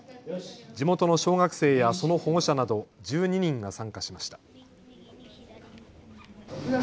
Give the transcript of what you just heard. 地元の小学生やその保護者など１２人が参加しました。